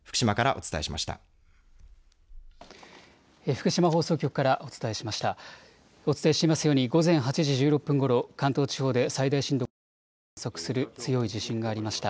お伝えしていますように午前８時１６分ごろ関東地方で最大震度５弱を観測する強い地震がありました。